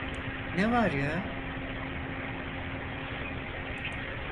Ne var ya?